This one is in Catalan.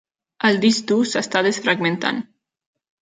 El disc dur s'està desfragmentant.